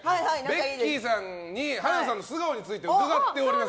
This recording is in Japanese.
ベッキーさんに春菜さんの素顔について伺っております。